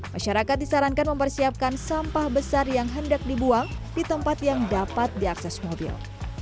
masyarakat disarankan mempersiapkan sampah besar yang hendak dibuang di tempat yang dapat diakses mobil